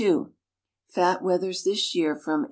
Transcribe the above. Fat wethers this year from 8s.